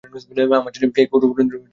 আমার ছেলে কি কোনোদিন সুস্থ হয়ে উঠবে?